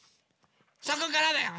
そこからだよ。